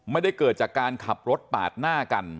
ไม่ได้เกิดจากการขับรถปาดหน้ากัน